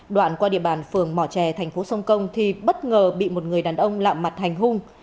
đoạn qua địa bàn phường mò trè thành phố sông công thì bất ngờ bị một người đàn ông lạm mặt hành hung